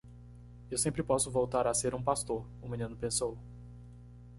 Eu sempre posso voltar a ser um pastor? o menino pensou.